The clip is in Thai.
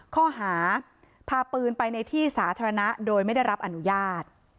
ข้อหาพาปืนไปในที่สาธารณะโดยไม่ได้รับอนุญาต